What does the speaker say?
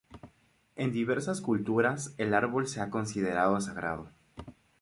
En diversas culturas el árbol se ha considerado sagrado.